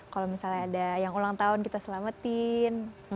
kalau misalnya ada yang ulang tahun kita selamatin